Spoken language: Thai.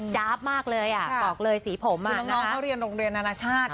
จ๊าบมากเลยบอกเลยสีผมน้องเขาเรียนโรงเรียนนานาชาติ